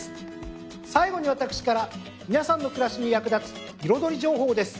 最後に私から皆さんの暮らしに役立つ彩り情報です。